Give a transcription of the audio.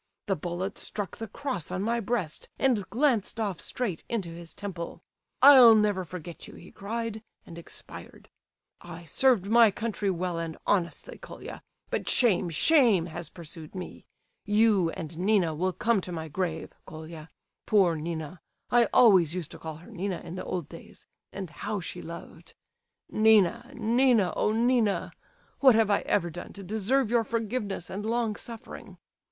The bullet struck the cross on my breast and glanced off straight into his temple. 'I'll never forget you,' he cried, and expired. I served my country well and honestly, Colia, but shame, shame has pursued me! You and Nina will come to my grave, Colia; poor Nina, I always used to call her Nina in the old days, and how she loved.... Nina, Nina, oh, Nina. What have I ever done to deserve your forgiveness and long suffering?